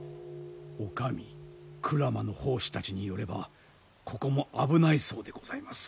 お上鞍馬の法師たちによればここも危ないそうでございます。